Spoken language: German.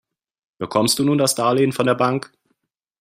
Bekommst du nun das Darlehen von der Bank?